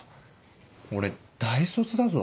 俺大卒だぞ。